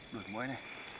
đuổi mũi này